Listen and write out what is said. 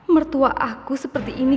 mertua aku seperti ini